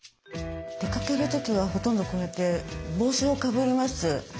出かける時はほとんどこうやって帽子をかぶります。